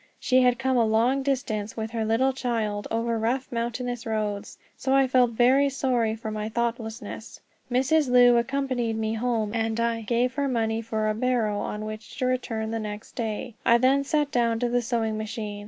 She had come a long distance, with her little child, over rough mountainous roads, so I felt very sorry for my thoughtlessness. Mrs. Lu accompanied me home, and I gave her money for a barrow on which to return the next day. I then sat down to the sewing machine.